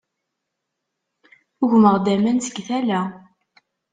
Ugmeɣ-d aman seg tala.